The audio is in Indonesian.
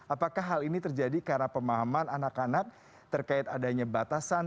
apakah hal ini terjadi karena pemahaman anak anak terkait adanya batasan